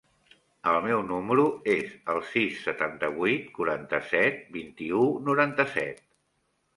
El meu número es el sis, setanta-vuit, quaranta-set, vint-i-u, noranta-set.